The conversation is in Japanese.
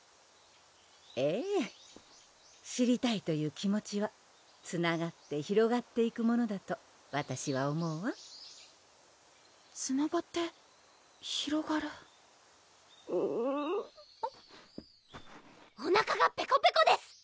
ええ知りたいという気持ちはつながって広がっていくものだとわたしは思うわつながって広がる・・おなかがペコペコです！